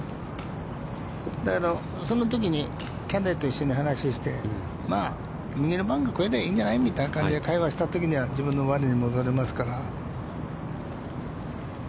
だけど、そのときにキャディーと一緒に話をして、まあ、右のバンカー越えればいいんじゃないかと、会話したときには、自分の我に戻れますから。